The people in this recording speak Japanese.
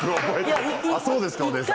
そうですか？